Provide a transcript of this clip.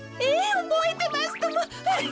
おぼえてますとも。